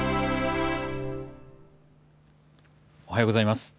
おはようございます。